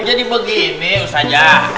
jadi begini ustazah